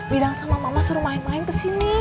bilang sama mama suruh main main ke sini